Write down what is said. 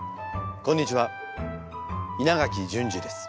こんにちは稲垣淳二です。